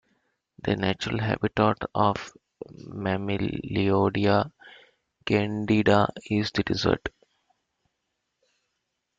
The natural habitat of "Mammilloydia candida" is the desert.